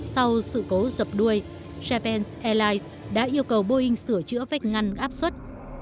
sau sự cố dập đuôi japan airlines đã yêu cầu boeing sửa chữa vách ngăn áp suất